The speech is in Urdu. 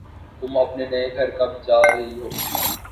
تم اپنے نئے گھر کب جا رہی ہو